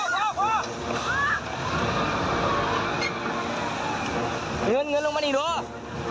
รัดใจหรือยังครับ